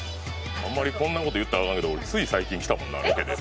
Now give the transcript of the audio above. あんまりこんな事言ったらアカンけど俺つい最近来たもんなロケで。